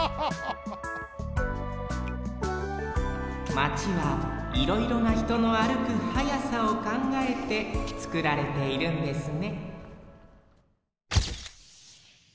マチはいろいろなひとの歩く速さをかんがえてつくられているんですね